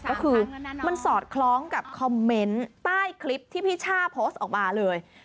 ก็คือมันสอดคล้องกับคอมเมนต์ใต้คลิปที่พี่ช่าโพสต์ออกมาเลย